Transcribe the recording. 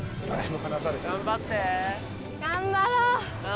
頑張ろう！